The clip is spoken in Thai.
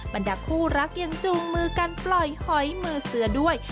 บรรดาคู่รักยังจูงมือกันปล่อยหอยมือเสือด้วย